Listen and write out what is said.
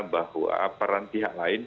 bahwa peran pihak lain